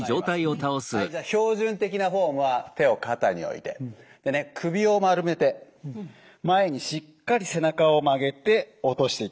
はいじゃあ標準的なフォームは手を肩に置いてでね首を丸めて前にしっかり背中を曲げて落としていきます。